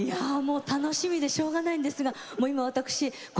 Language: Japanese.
楽しみでしょうがないんですが私心